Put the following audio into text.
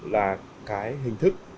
là cái hình thức